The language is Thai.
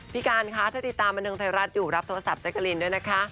การคะถ้าติดตามบันเทิงไทยรัฐอยู่รับโทรศัพท์แจ๊กกะลินด้วยนะคะ